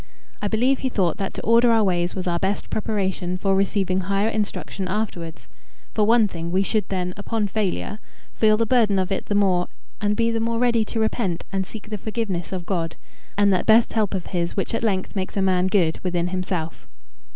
I believe he thought that to order our ways was our best preparation for receiving higher instruction afterwards. For one thing, we should then, upon failure, feel the burden of it the more, and be the more ready to repent and seek the forgiveness of God, and that best help of his which at length makes a man good within himself.